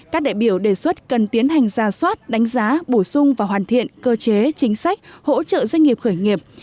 các đại biểu đề xuất cần tiến hành ra soát đánh giá bổ sung và hoàn thiện cơ chế chính sách hỗ trợ doanh nghiệp khởi nghiệp